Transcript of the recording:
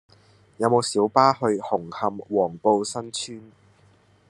有無小巴去紅磡黃埔新邨